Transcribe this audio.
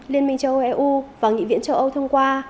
liên minh châu âu eu và nghị viện châu âu thông qua